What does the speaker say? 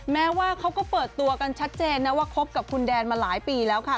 แม้ว่าเขาก็เปิดตัวกันชัดเจนนะว่าคบกับคุณแดนมาหลายปีแล้วค่ะ